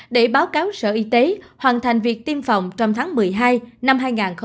để báo cáo sở y tế hoàn thành việc tiêm phòng trong tháng một mươi hai năm hai nghìn hai mươi